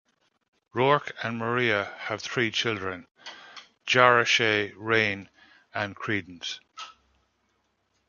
Roark and Maria have three children: Jara Shea, Reign, and Credence.